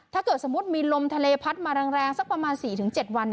ถ้าเกิดสมมุติมีลมทะเลพัดมาแรงสักประมาณ๔๗วัน